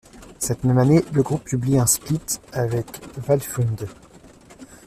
Cette même année, le groupe publie un split avec Valfunde.